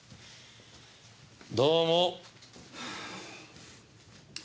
どうも。